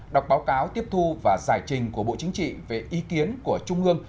đọc báo cáo tiếp thu và giải trình của bộ chính trị về ý kiến của trung ương